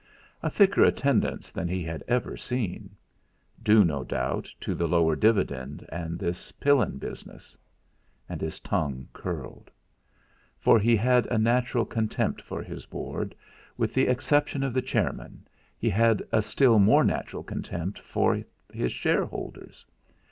A thicker attendance than he had ever seen! Due, no doubt, to the lower dividend, and this Pillin business. And his tongue curled. For if he had a natural contempt for his Board, with the exception of the chairman, he had a still more natural contempt for his shareholders.